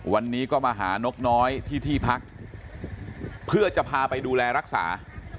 วันนี้ก็มาหานกน้อยที่ที่พักเพื่อจะพาไปดูแลรักษา